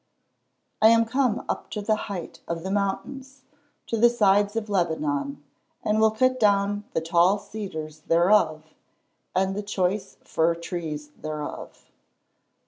[Verse: "I am come up to the height of the mountains, to the sides of Lebanon, and will cut down the tall cedars thereof, and the choice fir trees thereof."